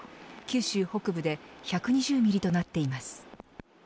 九州北部で１２０ミリとなっています。